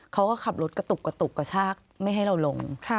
เขาก็ขับรถกระตุกกระตุกกระชากไม่ให้เราลง